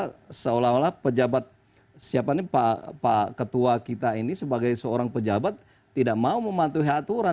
dan seolah olah pejabat siapa nih pak ketua kita ini sebagai seorang pejabat tidak mau mematuhi aturan